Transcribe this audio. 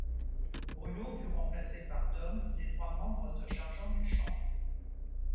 Bruno fut remplacé par Dom, les trois membres se chargeant du chant.